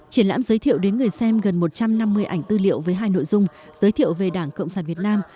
triển lãm giới thiệu đến người xem gần một trăm năm mươi ảnh tư liệu với hai nội dung giới thiệu về đảng cộng sản việt nam